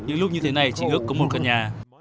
những lúc như thế này chị ước có một căn nhà